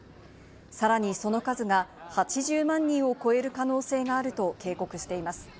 さらにその数が８０万人を超える可能性があると警告しています。